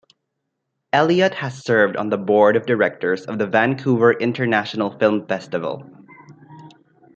Elliott has served on the board of directors of the Vancouver International Film Festival.